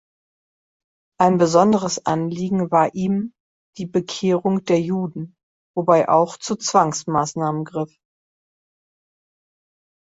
Ein besonderes Anliegen war ihm die Bekehrung der Juden, wobei auch zu Zwangsmaßnahmen griff.